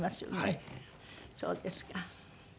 そうですか。